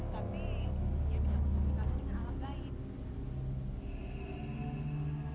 tapi dia bisa berkomunikasi dengan alam gaib